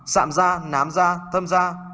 sạm da nám da thâm da